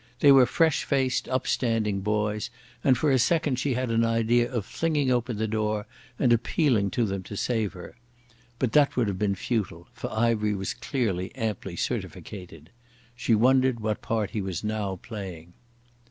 They were fresh faced, upstanding boys, and for a second she had an idea of flinging open the door and appealing to them to save her. But that would have been futile, for Ivery was clearly amply certificated. She wondered what part he was now playing.